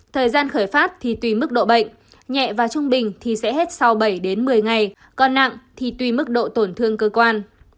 thời gian khởi phát thì tùy mức độ bệnh nhẹ và trung bình thì sẽ hết sau bảy đến một mươi ngày còn nặng thì tùy mức độ tổn thương cơ quan